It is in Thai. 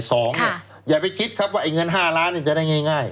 สองเนี่ยอย่าไปคิดครับว่าเงิน๕ล้านจะได้ง่าย